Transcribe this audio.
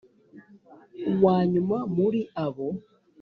uwa nyuma muri abo